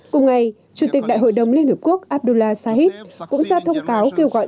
cùng ngày chủ tịch đại hội đồng liên hợp quốc abdullah sahid cũng ra thông cáo kêu gọi